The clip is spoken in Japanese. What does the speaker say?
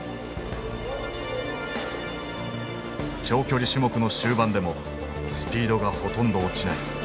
長距離種目の終盤でもスピードがほとんど落ちない。